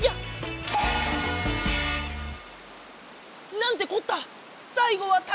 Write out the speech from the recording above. なんてこった！